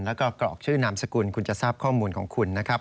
แล้วก็กรอกชื่อนามสกุลคุณจะทราบข้อมูลของคุณนะครับ